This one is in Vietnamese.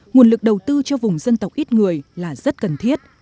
nguồn lực đầu tư cho vùng dân tộc ít người là rất cần thiết